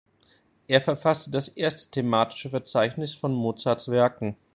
Er verfasste das erste thematische Verzeichnis von Mozarts Werken.